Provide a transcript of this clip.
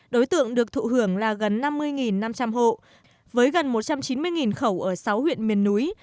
đối tượng được thụ hưởng là gần năm mươi năm trăm linh hộ với gần một trăm chín mươi khẩu ở sáu huyện miền núi